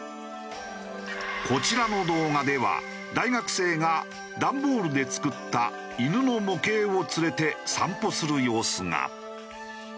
こちらの動画では大学生が段ボールで作った犬の模型を連れて散歩する様子が。